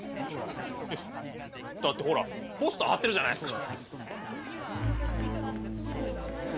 いやだってほらポスター貼ってるじゃないですか。